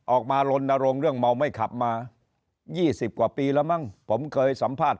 ลนรงค์เรื่องเมาไม่ขับมา๒๐กว่าปีแล้วมั้งผมเคยสัมภาษณ์